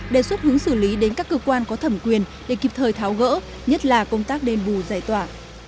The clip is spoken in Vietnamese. đề xuất hướng xử lý đến các cơ quan có thẩm quyền để kịp thời tháo gỡ nhất là công tác đền bù giải tỏa